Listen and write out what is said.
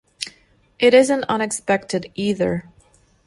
It isn't unexpected, either.